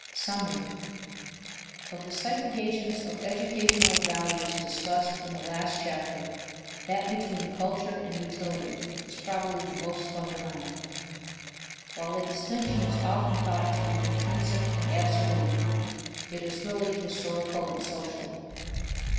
Summary. Of the segregations of educational values discussed in the last chapter, that between culture and utility is probably the most fundamental. While the distinction is often thought to be intrinsic and absolute, it is really historical and social.